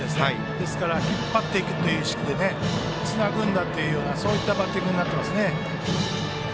ですから引っ張っていく意識でつなぐんだというそういったバッティングでしたね。